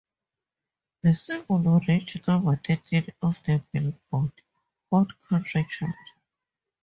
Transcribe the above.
The single would reach number thirteen on the Billboard hot country chart.